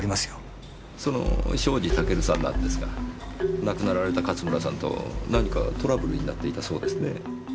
その庄司タケルさんなんですが亡くなられた勝村さんと何かトラブルになっていたそうですねぇ。